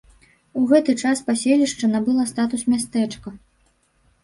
У гэты час паселішча набыла статус мястэчка.